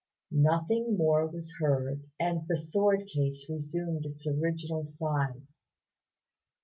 Nothing more was heard, and the sword case resumed its original size.